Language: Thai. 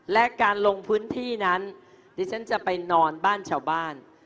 และการลงพื้นที่นั้นดิฉันจะไปนอนบ้านชาวบ้าน